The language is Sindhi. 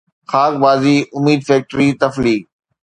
خاڪ بازي اميد فيڪٽري ٽفلي